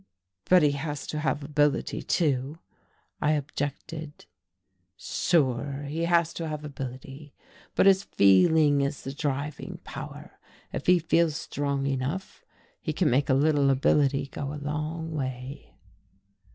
"But he has to have ability, too," I objected. "Sure, he has to have ability, but his feeling is the driving power if he feels strong enough, he can make a little ability go a long way."